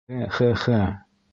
Хе-хе-хе...